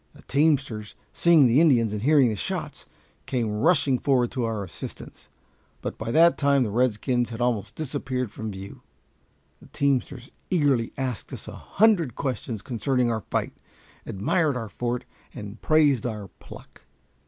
The teamsters, seeing the Indians and hearing the shots, came rushing forward to our assistance, but by that time the redskins had almost disappeared from view. The teamsters eagerly asked us a hundred questions concerning our fight, admired our fort, and praised our pluck.